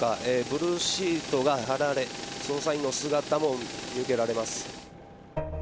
ブルーシートが張られ、捜査員の姿も見受けられます。